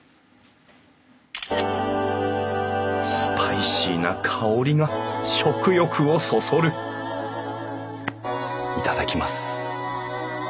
スパイシーな香りが食欲をそそる頂きます。